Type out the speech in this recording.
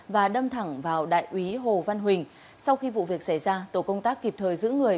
và đâm thẳng vào đại úy hồ văn huỳnh sau khi vụ việc xảy ra tổ công tác kịp thời giữ người